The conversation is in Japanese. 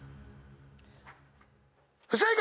不正解！